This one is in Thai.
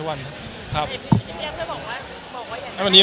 หรือบอกอย่างนี้